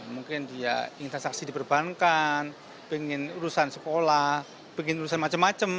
mungkin dia ingin transaksi diperbankan ingin urusan sekolah ingin urusan macam macam